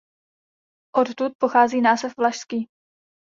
Odtud pochází název „vlašský“.